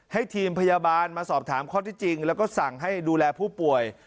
ทีมพยาบาลมาสอบถามข้อที่จริงแล้วก็สั่งให้ดูแลผู้ป่วย